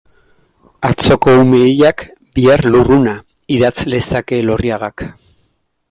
Atzoko ume hilak, bihar lurruna, idatz lezake Elorriagak.